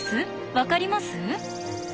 分かります？